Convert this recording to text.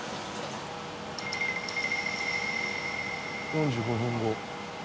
「４５分後」